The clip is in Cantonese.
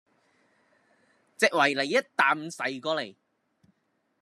隻維尼一啖噬過嚟